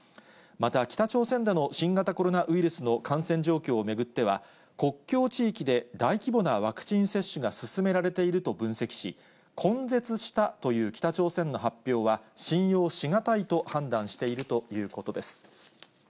また北朝鮮での新型コロナウイルスの感染状況を巡っては、国境地域で大規模なワクチン接種が進められていると分析し、根絶したという北朝鮮の発表は、信用しがたいと判断しているということです。